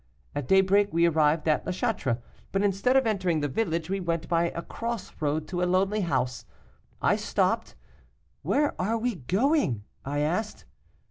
At daybreak we arrived at La Châtre, but instead of entering the village we went by across road to a lonely house. I stopped. 'Where are we going?' I asked.